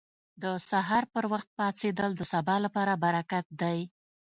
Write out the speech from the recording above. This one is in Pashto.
• د سهار پر وخت پاڅېدل د سبا لپاره برکت دی.